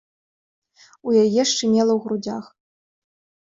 У яе шчымела ў грудзях.